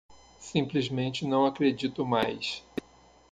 Simplesmente não acredito mais